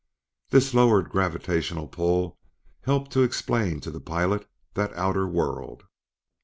This lowered gravitational pull helped to explain to the pilot that outer world.